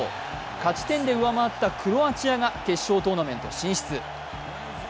勝ち点で上回ったクロアチアが決勝トーナメント進出。